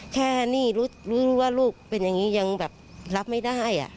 แค่นี่รู้ว่าลูกเป็นอย่างนี้ยังแบบรับไม่ได้